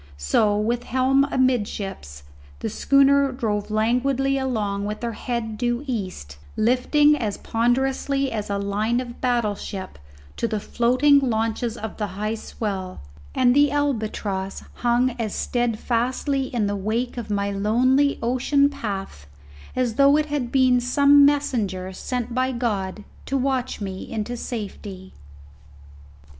So, with helm amidships, the schooner drove languidly along with her head due east, lifting as ponderously as a line of battle ship to the floating launches of the high swell, and the albatross hung as steadfastly in the wake of my lonely ocean path as though it had been some messenger sent by God to watch me into safety.